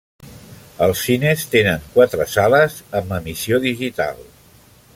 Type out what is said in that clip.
Els cines tenen quatre sales amb emissió digital.